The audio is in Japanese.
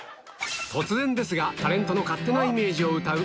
突然ですがタレントの勝手なイメージを歌う